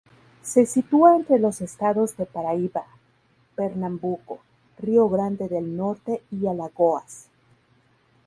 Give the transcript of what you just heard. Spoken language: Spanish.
Se sitúa entre los estados de Paraíba, Pernambuco, Río Grande del Norte y Alagoas.